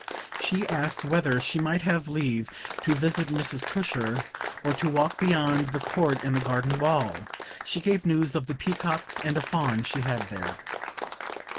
She asked whether she might have leave to visit Mrs. Tusher, or to walk beyond the court and the garden wall. She gave news of the peacocks, and a fawn she had there.